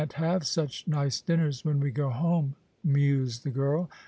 "We shan't have such nice dinners when we go home," mused the girl.